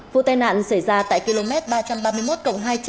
vụ tai nạn xảy ra tại km ba trăm ba mươi một cộng hai trăm linh